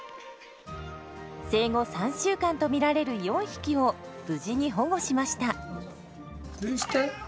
生後３週間と見られる４匹を無事に保護しました。